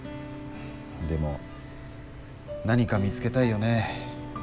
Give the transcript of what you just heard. でも何か見つけたいよね。